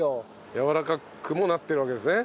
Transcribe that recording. やわらかくもなってるわけですね。